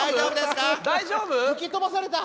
吹き飛ばされた。